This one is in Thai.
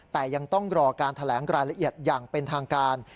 แต่ยังต้องรอการแถลงรายละเอียดอย่างเป็นทางการ